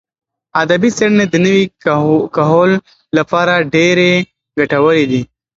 ادبي څېړنې د نوي کهول لپاره ډېرې ګټورې دي.